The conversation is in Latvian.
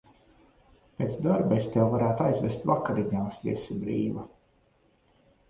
Pēc darba es tevi varētu aizvest vakariņās, ja esi brīva.